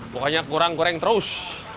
pokoknya kurang kurang terus